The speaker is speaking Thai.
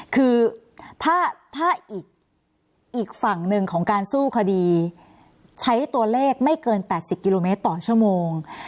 คือถ้าอีกฝั่งหนึ่งของการสู้คดีใช้ตัวเลขไม่เกิน๘๐กิโลเมตรต่อชั่วโมง